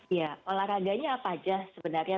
iya olahraganya apa aja sebenarnya